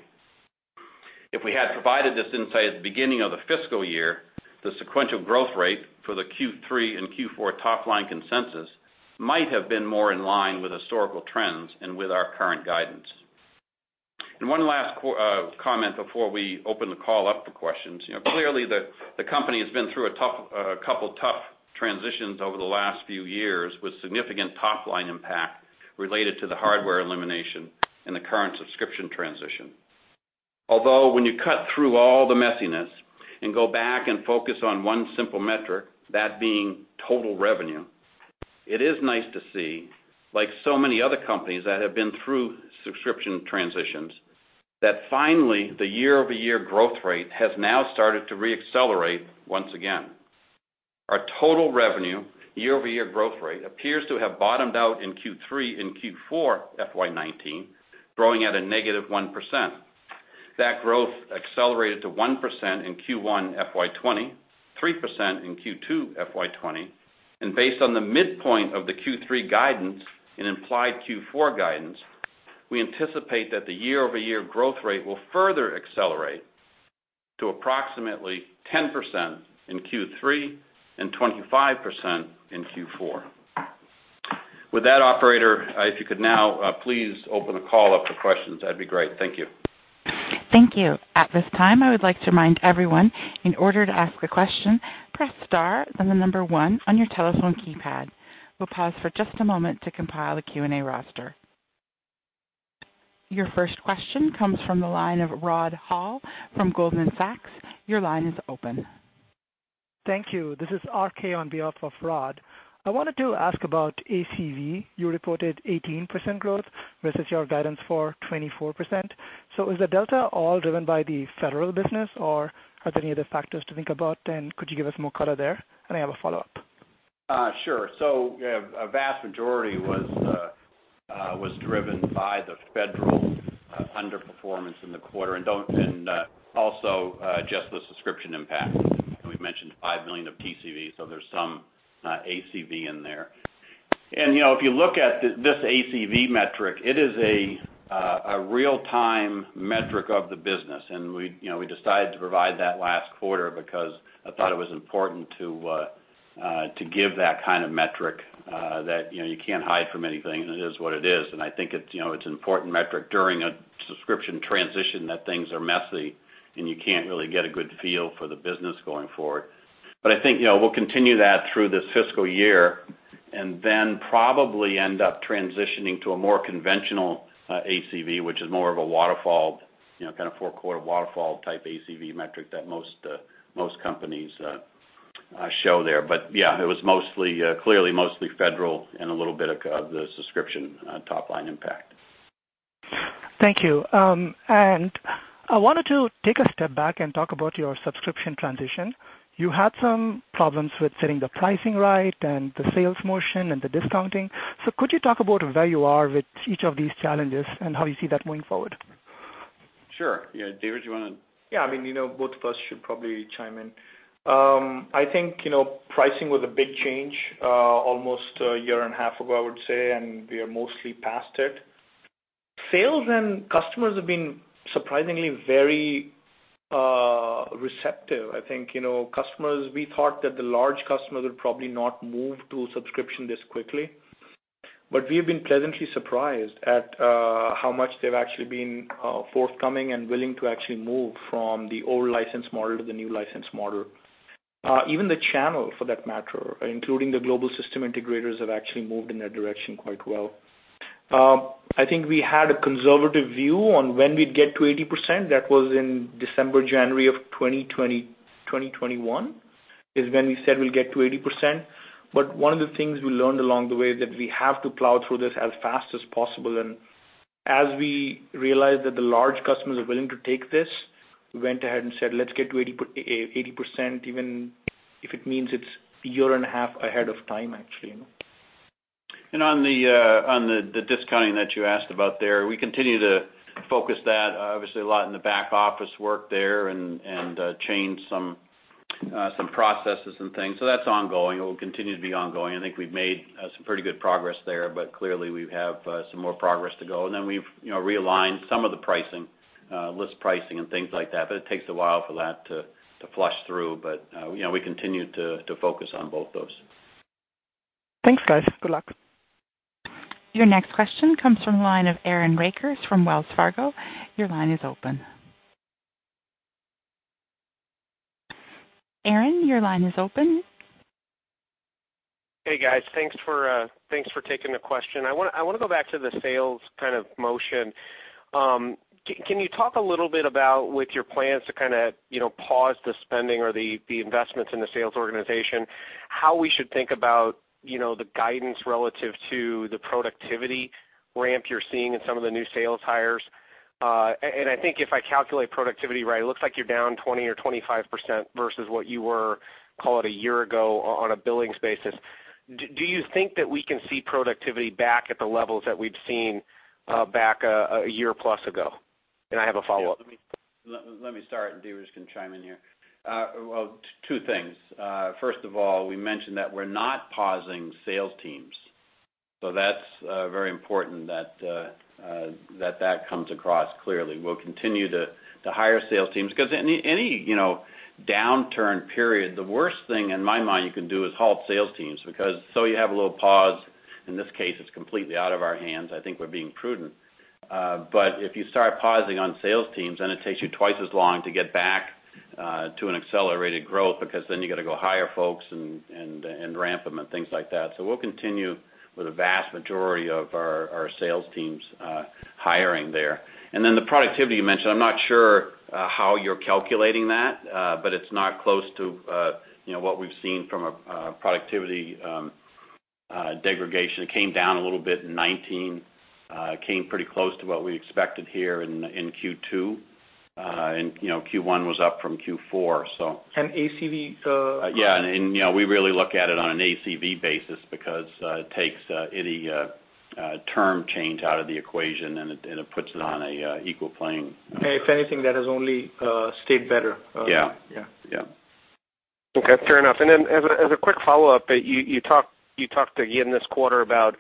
If we had provided this insight at the beginning of the fiscal year, the sequential growth rate for the Q3 and Q4 top-line consensus might have been more in line with historical trends and with our current guidance. One last comment before we open the call up for questions. Clearly, the company has been through a couple tough transitions over the last few years, with significant top-line impact related to the hardware elimination and the current subscription transition. When you cut through all the messiness and go back and focus on one simple metric, that being total revenue, it is nice to see, like so many other companies that have been through subscription transitions, that finally the year-over-year growth rate has now started to re-accelerate once again. Our total revenue year-over-year growth rate appears to have bottomed out in Q3 and Q4 FY 2019, growing at a -1%. That growth accelerated to 1% in Q1 FY 2020, 3% in Q2 FY 2020. Based on the midpoint of the Q3 guidance and implied Q4 guidance, we anticipate that the year-over-year growth rate will further accelerate to approximately 10% in Q3 and 25% in Q4. With that, operator, if you could now please open the call up for questions, that'd be great. Thank you. Thank you. At this time, I would like to remind everyone, in order to ask a question, press star, then the number one on your telephone keypad. We'll pause for just a moment to compile a Q&A roster. Your first question comes from the line of Rod Hall from Goldman Sachs. Your line is open. Thank you. This is RK on behalf of Rod. I wanted to ask about ACV. You reported 18% growth versus your guidance for 24%. Is the delta all driven by the federal business, or are there any other factors to think about? Could you give us more color there? I have a follow-up. Sure. Yeah, a vast majority was driven by the federal underperformance in the quarter, and also just the subscription impact. We've mentioned $5 million of TCV, so there's some ACV in there. If you look at this ACV metric, it is a real-time metric of the business. We decided to provide that last quarter because I thought it was important to give that kind of metric that you can't hide from anything, and it is what it is. I think it's an important metric during a subscription transition that things are messy, and you can't really get a good feel for the business going forward. I think we'll continue that through this fiscal year and then probably end up transitioning to a more conventional ACV, which is more of a waterfall, kind of four-quarter waterfall type ACV metric that most companies show there. Yeah, it was clearly mostly Federal and a little bit of the subscription top-line impact. Thank you. I wanted to take a step back and talk about your subscription transition. You had some problems with setting the pricing right and the sales motion and the discounting. Could you talk about where you are with each of these challenges and how you see that moving forward? Sure. Yeah. Dheeraj, do you want to. Yeah, both of us should probably chime in. I think pricing was a big change almost a year and a half ago, I would say, and we are mostly past it. Sales and customers have been surprisingly very receptive. I think customers, we thought that the large customers would probably not move to subscription this quickly, but we've been pleasantly surprised at how much they've actually been forthcoming and willing to actually move from the old license model to the new license model. Even the channel for that matter, including the global system integrators, have actually moved in that direction quite well. I think we had a conservative view on when we'd get to 80%. That was in December, January of 2021, is when we said we'll get to 80%. One of the things we learned along the way is that we have to plow through this as fast as possible, and as we realized that the large customers are willing to take this, we went ahead and said, "Let's get to 80%, even if it means it's a year and a half ahead of time, actually. On the discounting that you asked about there, we continue to focus that obviously a lot in the back office work there and change some processes and things. That's ongoing. It will continue to be ongoing. I think we've made some pretty good progress there, but clearly, we have some more progress to go. Then we've realigned some of the pricing, list pricing and things like that. It takes a while for that to flush through. We continue to focus on both those. Thanks, guys. Good luck. Your next question comes from the line of Aaron Rakers from Wells Fargo. Your line is open. Aaron, your line is open. Hey, guys. Thanks for taking the question. I want to go back to the sales kind of motion. Can you talk a little bit about, with your plans to kind of pause the spending or the investments in the sales organization, how we should think about the guidance relative to the productivity ramp you're seeing in some of the new sales hires? I think if I calculate productivity right, it looks like you're down 20% or 25% versus what you were, call it a year ago, on a billings basis. Do you think that we can see productivity back at the levels that we've seen back a year-plus ago? I have a follow-up. Yeah. Let me start, and Dheeraj can chime in here. Well, two things. First of all, we mentioned that we're not pausing sales teams, that's very important that comes across clearly. We'll continue to hire sales teams because any downturn period, the worst thing in my mind you can do is halt sales teams. In this case, it's completely out of our hands. I think we're being prudent. If you start pausing on sales teams, it takes you twice as long to get back to an accelerated growth, because you got to go hire folks and ramp them and things like that. We'll continue with the vast majority of our sales teams hiring there. The productivity you mentioned, I'm not sure how you're calculating that, but it's not close to what we've seen from a productivity degradation. It came down a little bit in 2019. It came pretty close to what we expected here in Q2. Q1 was up from Q4. And ACV. Yeah. We really look at it on an ACV basis because it takes any term change out of the equation and it puts it on a equal plane. If anything, that has only stayed better. Yeah. Yeah. Yeah. Okay, fair enough. Then as a quick follow-up, you talked again this quarter about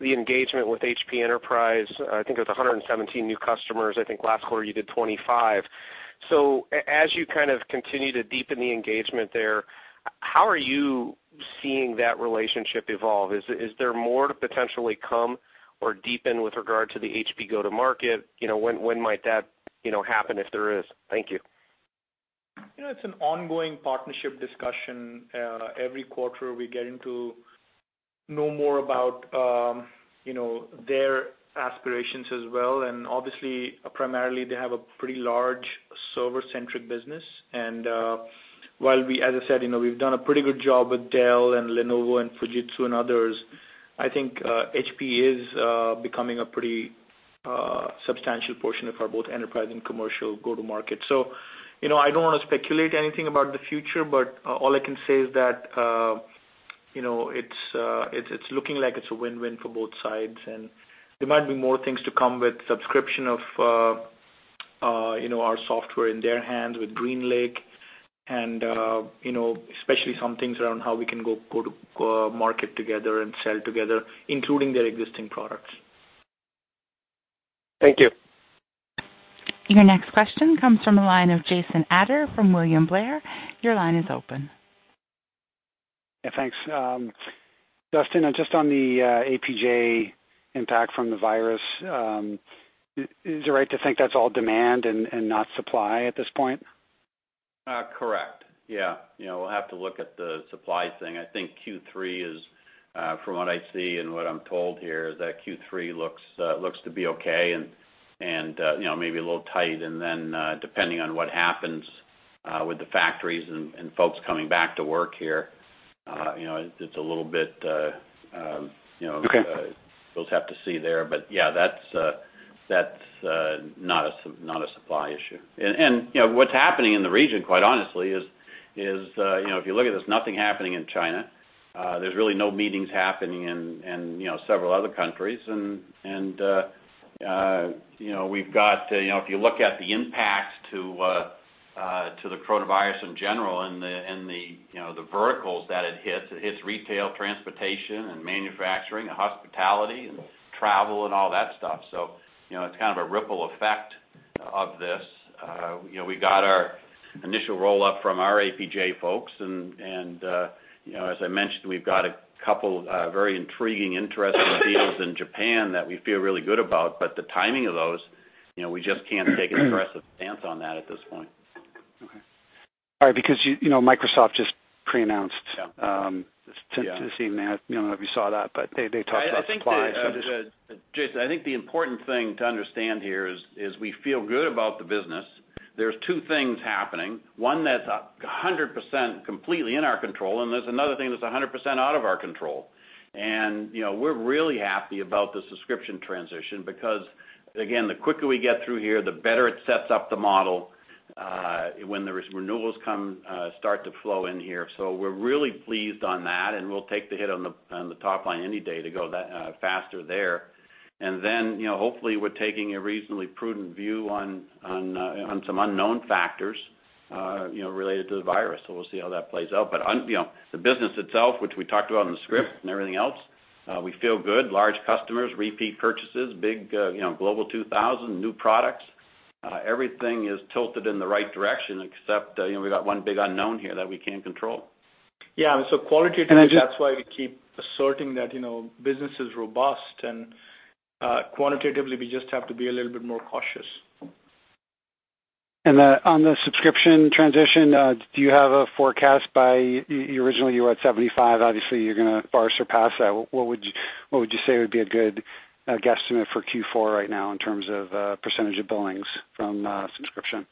the engagement with HP Enterprise. I think it was 117 new customers. I think last quarter you did 25. As you kind of continue to deepen the engagement there, how are you seeing that relationship evolve? Is there more to potentially come or deepen with regard to the HP go-to-market? When might that happen if there is? Thank you. It's an ongoing partnership discussion. Every quarter we're getting to know more about their aspirations as well. Obviously, primarily, they have a pretty large server-centric business. While we, as I said, we've done a pretty good job with Dell and Lenovo and Fujitsu and others, I think HP is becoming a pretty substantial portion of our both enterprise and commercial go-to-market. I don't want to speculate anything about the future, but all I can say is that it's looking like it's a win-win for both sides. There might be more things to come with subscription of our software in their hands with GreenLake and especially some things around how we can go to market together and sell together, including their existing products. Thank you. Your next question comes from the line of Jason Ader from William Blair. Your line is open. Yeah, thanks. Duston, just on the APJ impact from the virus, is it right to think that's all demand and not supply at this point? Correct. Yeah. We'll have to look at the supply thing. I think Q3 is, from what I see and what I'm told here, is that Q3 looks to be okay and maybe a little tight. Depending on what happens with the factories and folks coming back to work here, it's a little bit. Okay We'll have to see there. Yeah, that's not a supply issue. What's happening in the region, quite honestly, is if you look at this, nothing happening in China. There's really no meetings happening in several other countries. If you look at the impact to the coronavirus in general and the verticals that it hits, it hits retail, transportation, and manufacturing, and hospitality, and travel, and all that stuff. It's kind of a ripple effect of this. We got our initial roll-up from our APJ folks, and as I mentioned, we've got a couple very intriguing, interesting deals in Japan that we feel really good about, but the timing of those, we just can't take an aggressive stance on that at this point. Okay. All right, Microsoft just pre-announced- Yeah this tendency, I don't know if you saw that, but they talked about supply. Jason, I think the important thing to understand here is we feel good about the business. There's two things happening. One that's 100% completely in our control, there's another thing that's 100% out of our control. We're really happy about the subscription transition because, again, the quicker we get through here, the better it sets up the model, when the renewals start to flow in here. We're really pleased on that, and we'll take the hit on the top line any day to go faster there. Hopefully we're taking a reasonably prudent view on some unknown factors related to the coronavirus. We'll see how that plays out. The business itself, which we talked about in the script and everything else, we feel good. Large customers, repeat purchases, big Global 2000, new products. Everything is tilted in the right direction except we got one big unknown here that we can't control. Yeah, qualitatively. And I just. That's why we keep asserting that business is robust, and quantitatively we just have to be a little bit more cautious. On the subscription transition, do you have a forecast? Originally, you were at 75%. Obviously, you're going to far surpass that. What would you say would be a good guesstimate for Q4 right now in terms of percentage of billings from subscription?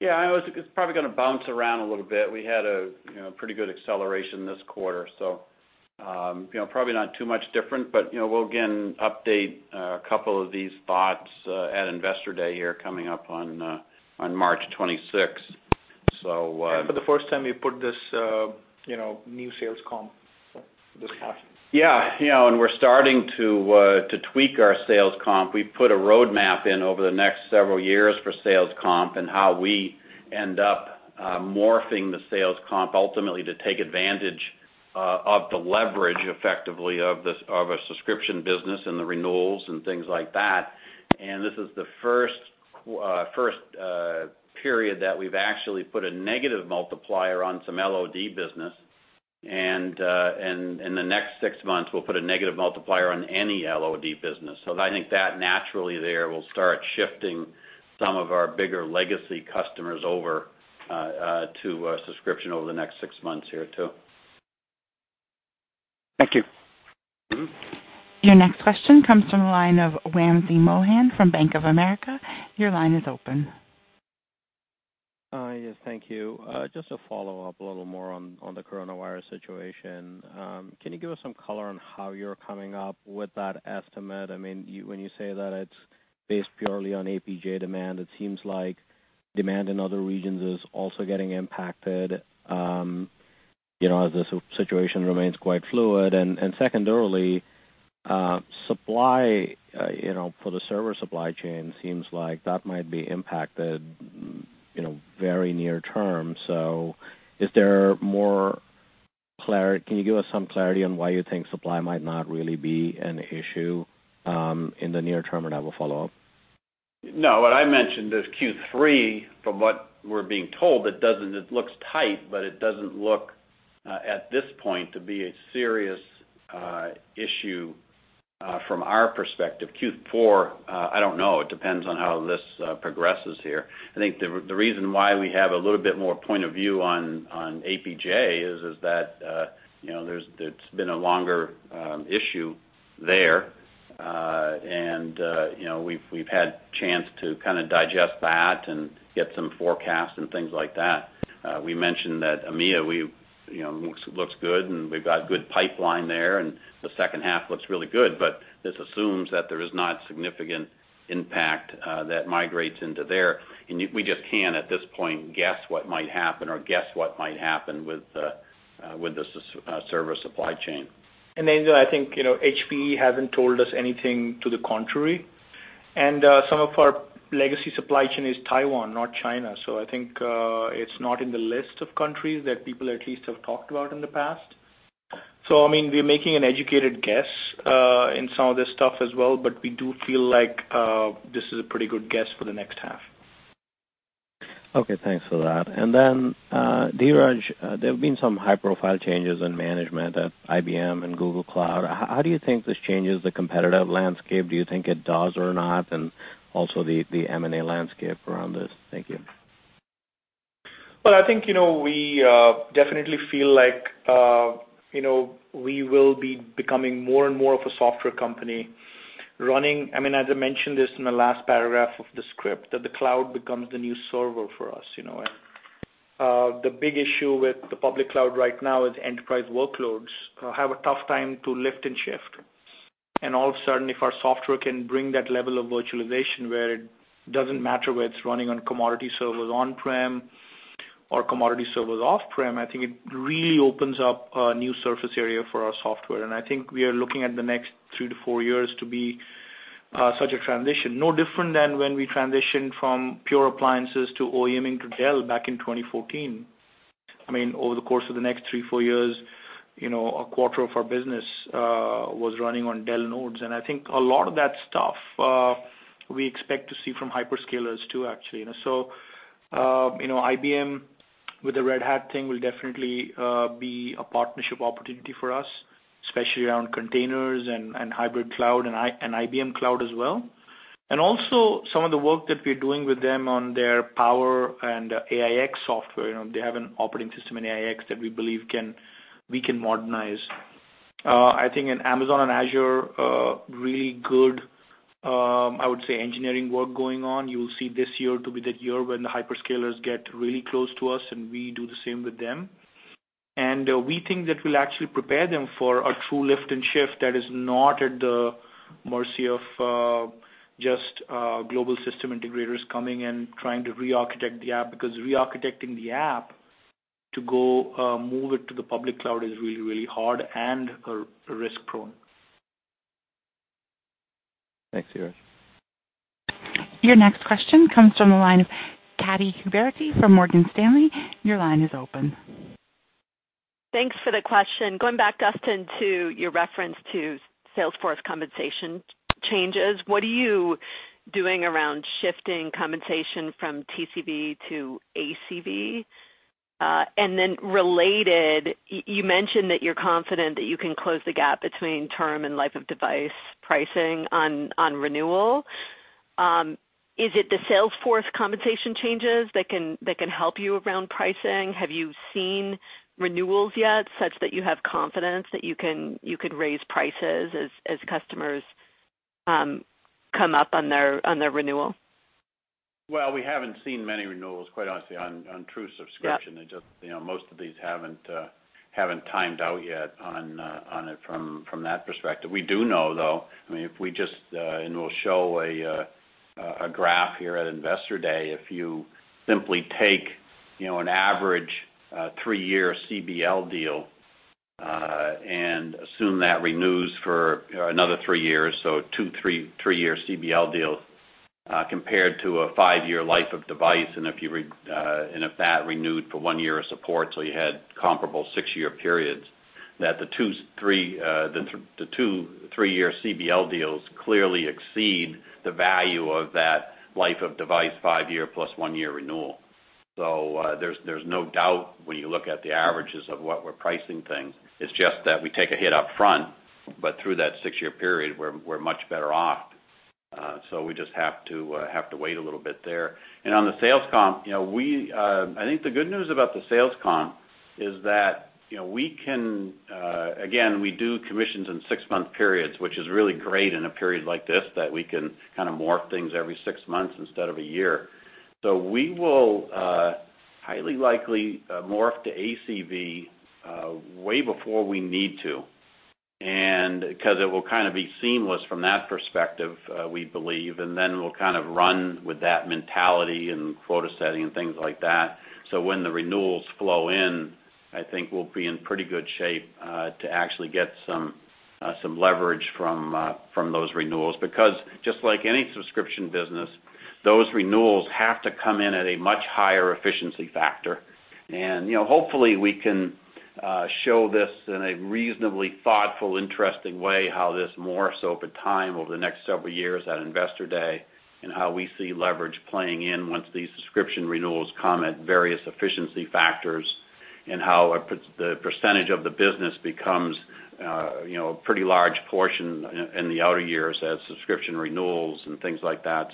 Yeah, it's probably going to bounce around a little bit. We had a pretty good acceleration this quarter. Probably not too much different. We'll again update a couple of these thoughts at Investor Day here coming up on March 26th. For the first time, we put this new sales comp discussion. Yeah. We're starting to tweak our sales comp. We put a roadmap in over the next several years for sales comp and how we end up morphing the sales comp ultimately to take advantage of the leverage effectively of a subscription business and the renewals and things like that. This is the first period that we've actually put a negative multiplier on some LOD business, and in the next six months, we'll put a negative multiplier on any LOD business. I think that naturally there will start shifting some of our bigger legacy customers over to subscription over the next six months here, too. Thank you. Your next question comes from the line of Wamsi Mohan from Bank of America. Your line is open. Yes, thank you. Just to follow up a little more on the coronavirus situation. Can you give us some color on how you're coming up with that estimate? When you say that it's based purely on APJ demand, it seems like demand in other regions is also getting impacted, as the situation remains quite fluid. Secondarily, supply for the server supply chain seems like that might be impacted very near term. Can you give us some clarity on why you think supply might not really be an issue in the near term? I will follow up. No, what I mentioned is Q3, from what we're being told, it looks tight, but it doesn't look at this point to be a serious issue from our perspective. Q4, I don't know. It depends on how this progresses here. I think the reason why we have a little bit more point of view on APJ is that it's been a longer issue there. We've had chance to kind of digest that and get some forecasts and things like that. We mentioned that EMEA looks good, and we've got good pipeline there, and the second half looks really good, but this assumes that there is not significant impact that migrates into there. We just can't, at this point, guess what might happen or guess what might happen with the server supply chain. I think HPE hasn't told us anything to the contrary. Some of our legacy supply chain is Taiwan, not China. I think it's not in the list of countries that people at least have talked about in the past. We're making an educated guess in some of this stuff as well, but we do feel like this is a pretty good guess for the next half. Okay. Thanks for that. Dheeraj, there have been some high-profile changes in management at IBM and Google Cloud. How do you think this changes the competitive landscape? Do you think it does or not? The M&A landscape around this. Thank you. Well, I think we definitely feel like we will be becoming more and more of a software company. As I mentioned this in the last paragraph of the script, that the cloud becomes the new server for us. The big issue with the public cloud right now is enterprise workloads have a tough time to lift and shift. All of a sudden, if our software can bring that level of virtualization where it doesn't matter whether it's running on commodity servers on-prem or commodity servers off-prem, I think it really opens up a new surface area for our software. I think we are looking at the next three to four years to be such a transition. No different than when we transitioned from pure appliances to OEM into Dell back in 2014. Over the course of the next three, four years, a quarter of our business was running on Dell nodes. I think a lot of that stuff we expect to see from hyperscalers too, actually. IBM with the Red Hat thing will definitely be a partnership opportunity for us, especially around containers and hybrid cloud and IBM Cloud as well. Also some of the work that we're doing with them on their Power and AIX software. They have an operating system in AIX that we believe we can modernize. I think in Amazon and Azure, really good, I would say, engineering work going on. You'll see this year to be the year when the hyperscalers get really close to us, and we do the same with them. We think that will actually prepare them for a true lift and shift that is not at the mercy of just global system integrators coming and trying to rearchitect the app, because rearchitecting the app to go move it to the public cloud is really, really hard and risk-prone. Thanks, Dheeraj. Your next question comes from the line of Katy Huberty from Morgan Stanley. Your line is open. Thanks for the question. Going back, Duston, to your reference to Salesforce compensation changes, what are you doing around shifting compensation from TCV to ACV? Related, you mentioned that you're confident that you can close the gap between term and life-of-device pricing on renewal. Is it the Salesforce compensation changes that can help you around pricing? Have you seen renewals yet such that you have confidence that you could raise prices as customers come up on their renewal? Well, we haven't seen many renewals, quite honestly, on true subscription. Yeah. Most of these haven't timed out yet on it from that perspective. We do know, though, and we'll show a graph here at Investor Day. If you simply take an average three-year CBL deal and assume that renews for another three years, so two three-year CBL deals compared to a five-year life of device, and if that renewed for one-year of support, so you had comparable six-year periods that the two, three-year CBL deals clearly exceed the value of that life of device five-year plus one-year renewal. There's no doubt when you look at the averages of what we're pricing things. It's just that we take a hit up front, but through that six-year period, we're much better off. We just have to wait a little bit there. On the sales comp, I think the good news about the sales comp is that, again, we do commissions in six-month periods, which is really great in a period like this that we can kind of morph things every six months instead of a year. We will highly likely morph to ACV way before we need to, because it will kind of be seamless from that perspective, we believe, and then we'll kind of run with that mentality and quota setting and things like that. When the renewals flow in, I think we'll be in pretty good shape, to actually get some leverage from those renewals, because just like any subscription business, those renewals have to come in at a much higher efficiency factor. Hopefully we can show this in a reasonably thoughtful, interesting way, how this morphs over time over the next several years at Investor Day, and how we see leverage playing in once these subscription renewals come at various efficiency factors and how the percentage of the business becomes a pretty large portion in the outer years as subscription renewals and things like that.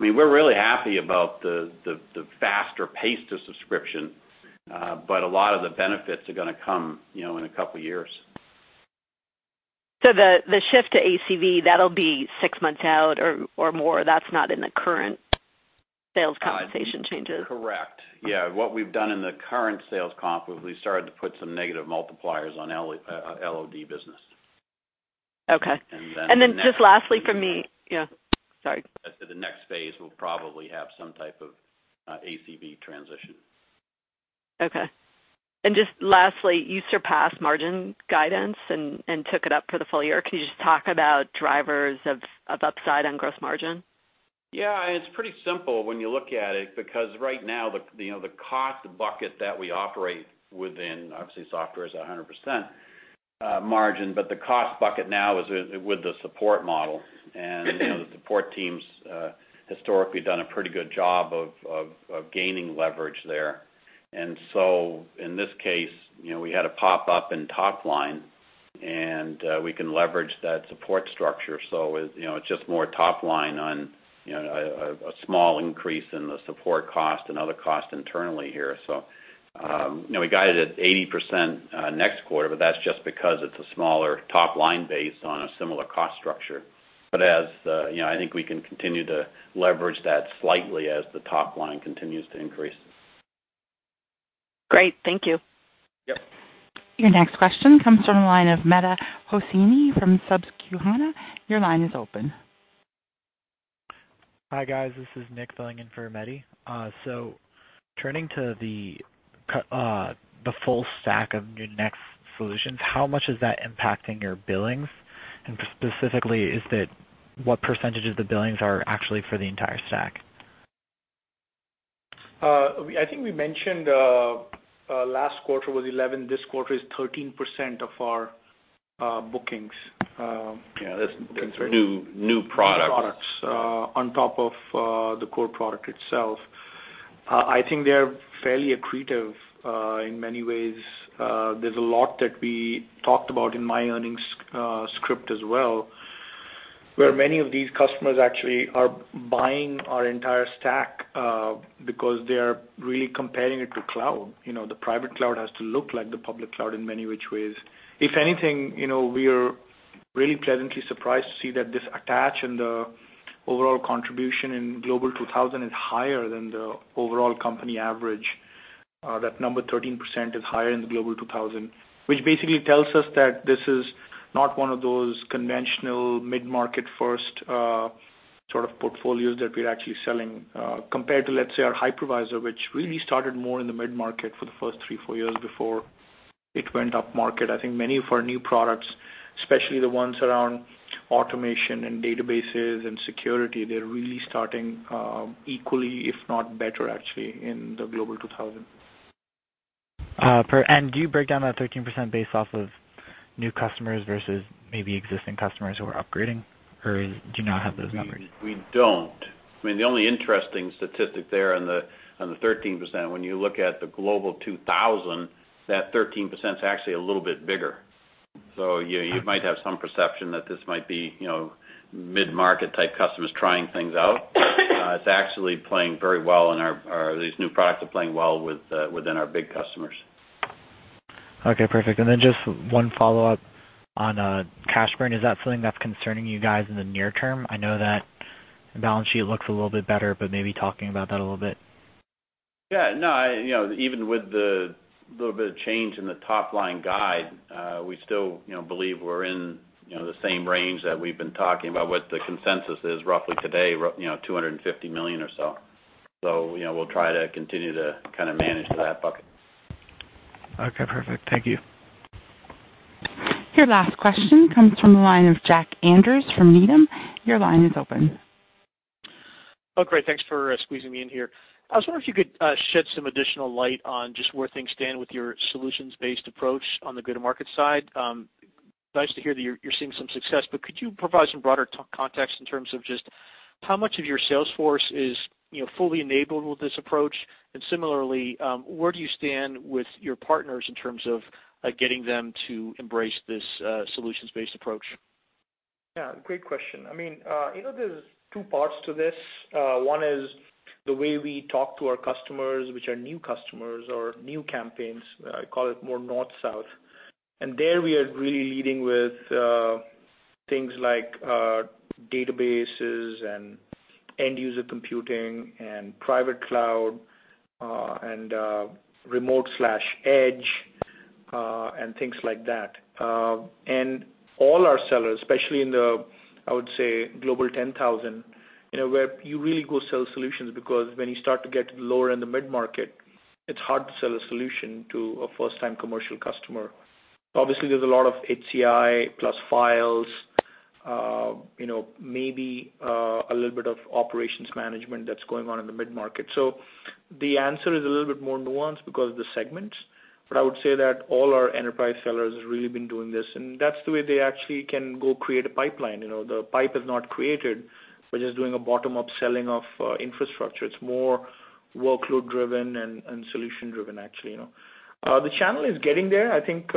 We're really happy about the faster pace to subscription. A lot of the benefits are going to come in a couple of years. The shift to ACV, that'll be six months out or more. That's not in the current sales compensation changes? Correct. Yeah. What we've done in the current sales comp is we started to put some negative multipliers on LOD business. Okay. And then the next- Just lastly from me, yeah, sorry. The next phase will probably have some type of ACV transition. Okay. Just lastly, you surpassed margin guidance and took it up for the full year. Can you just talk about drivers of upside on gross margin? It's pretty simple when you look at it, because right now the cost bucket that we operate within, obviously software is 100% margin, but the cost bucket now is with the support model. The support team's historically done a pretty good job of gaining leverage there. In this case, we had a pop up in top line, and we can leverage that support structure. It's just more top line on a small increase in the support cost and other cost internally here. We guided at 80% next quarter, but that's just because it's a smaller top line based on a similar cost structure. I think we can continue to leverage that slightly as the top line continues to increase. Great. Thank you. Yep. Your next question comes from the line of Mehdi Hosseini from Susquehanna. Your line is open. Hi, guys. This is Nick filling in for Mehdi. Turning to the full stack of Nutanix solutions, how much is that impacting your billings? Specifically, what percentage of the billings are actually for the entire stack? I think we mentioned, last quarter was 11, this quarter is 13% of our bookings. Yeah, that's. Is that right? New products New products, on top of the core product itself. I think they're fairly accretive, in many ways. There's a lot that we talked about in my earnings script as well, where many of these customers actually are buying our entire stack, because they are really comparing it to cloud. The private cloud has to look like the public cloud in many which ways. If anything, we are really pleasantly surprised to see that this attach and the overall contribution in Global 2000 is higher than the overall company average. That number 13% is higher in the Global 2000, which basically tells us that this is not one of those conventional mid-market first sort of portfolios that we're actually selling, compared to, let's say, our hypervisor, which really started more in the mid-market for the first three, four years before it went up market. I think many of our new products, especially the ones around automation and databases and security, they're really starting equally, if not better actually, in the Global 2000. Do you break down that 13% based off of new customers versus maybe existing customers who are upgrading? Or do you not have those numbers? We don't. The only interesting statistic there on the 13%, when you look at the Global 2000, that 13% is actually a little bit bigger. You might have some perception that this might be mid-market type customers trying things out. These new products are playing well within our big customers. Okay, perfect. Just one follow-up on cash burn. Is that something that's concerning you guys in the near term? I know that the balance sheet looks a little bit better, maybe talking about that a little bit. No, even with the little bit of change in the top-line guide, we still believe we're in the same range that we've been talking about, what the consensus is roughly today, $250 million or so. We'll try to continue to kind of manage that bucket. Okay, perfect. Thank you. Your last question comes from the line of Jack Andrews from Needham. Your line is open. Oh, great. Thanks for squeezing me in here. I was wondering if you could shed some additional light on just where things stand with your solutions-based approach on the go-to-market side. Nice to hear that you're seeing some success, but could you provide some broader context in terms of just how much of your sales force is fully enabled with this approach? Similarly, where do you stand with your partners in terms of getting them to embrace this solutions-based approach? Yeah, great question. There's two parts to this. One is the way we talk to our customers, which are new customers or new campaigns. I call it more north-south. There we are really leading with things like databases and end user computing and private cloud, and remote/edge, and things like that. All our sellers, especially in the, I would say, Global 10,000, where you really go sell solutions, because when you start to get to the lower and the mid-market, it's hard to sell a solution to a first-time commercial customer. Obviously, there's a lot of HCI plus Files, maybe a little bit of operations management that's going on in the mid-market. The answer is a little bit more nuanced because of the segments. I would say that all our enterprise sellers have really been doing this, and that's the way they actually can go create a pipeline. The pipe is not created by just doing a bottom-up selling of infrastructure. It's more workload driven and solution driven, actually. The channel is getting there. I think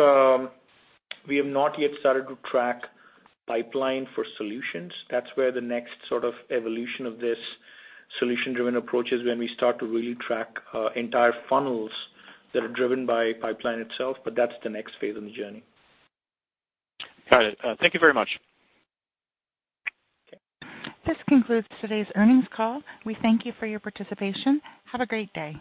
we have not yet started to track pipeline for solutions. That's where the next sort of evolution of this solution-driven approach is when we start to really track entire funnels that are driven by pipeline itself, but that's the next phase of the journey. Got it. Thank you very much. This concludes today's earnings call. We thank you for your participation. Have a great day.